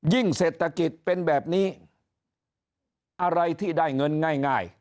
เศรษฐกิจเป็นแบบนี้อะไรที่ได้เงินง่าย